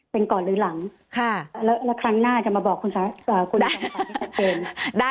เป็นก่อนหรือหลังค่ะแล้วครั้งหน้าจะมาบอกคุณสาธารณสุขที่จะเป็นได้ค่ะ